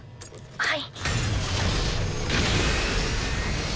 はい。